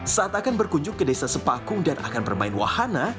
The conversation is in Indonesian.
saat akan berkunjung ke desa sepakung dan akan bermain wahana